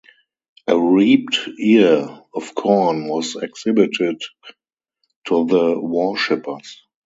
A reaped ear of corn was exhibited to the worshipers.